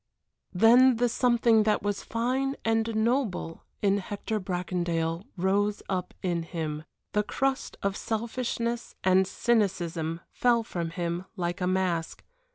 Then the something that was fine and noble in Hector Bracondale rose up in him the crust of selfishness and cynicism fell from him like a mask.